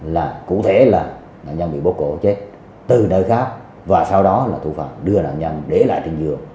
là cụ thể là nạn nhân bị bốt cổ chết từ nơi khác và sau đó là thủ phạm đưa nạn nhân để lại trên giường